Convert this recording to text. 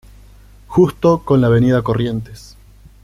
Justo con la Avenida Corrientes.